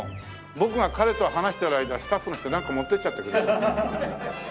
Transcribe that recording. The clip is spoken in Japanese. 僕が彼と話してる間スタッフの人なんか持っていっちゃってくれる？